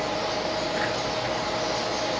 ต้องเติมเนี่ย